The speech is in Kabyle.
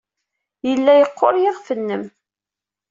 Yella yeqqur yiɣef-nnem.